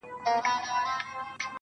کله چې دې په سترګو کې ژوندۍ ځلا